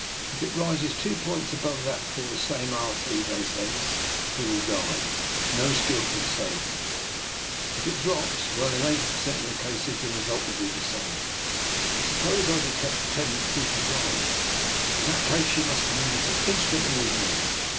" If it rises two points above that before the same hour three days hence, he will die — no skill can save him. If it drops, well, in eighty per cent, of cases, the result will be the same." " And suppose I detect a tendency to rise? "" In that case you must communicate in stantly with me.